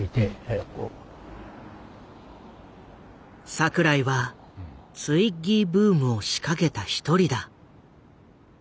櫻井はツイッギーブームを仕掛けた一人だ。